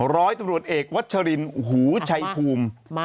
ร้อยตำรวจเอกวัชรินหูชัยภูมิ